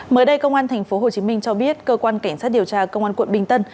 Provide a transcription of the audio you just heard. mới đây công an tp hcm cho biết cơ quan cảnh sát điều tra công an quận bình tân